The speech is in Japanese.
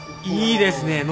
いいですね。